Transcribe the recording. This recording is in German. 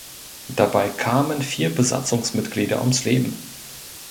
Dabei kamen vier Besatzungsmitglieder ums Leben.